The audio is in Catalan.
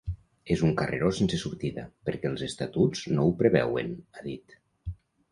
És un carreró sense sortida, perquè els estatuts no ho preveuen, ha dit.